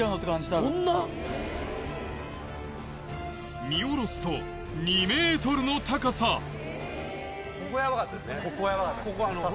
そんな⁉見下ろすと２ｍの高さここヤバかったです早速。